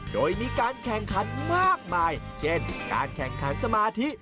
โดยมีการแข่งขันมากมายเช่นสมาธิ